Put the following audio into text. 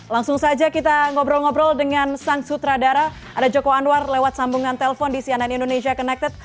langsung saja kita ngobrol ngobrol dengan sang sutradara ada joko anwar lewat sambungan telpon di cnn indonesia connected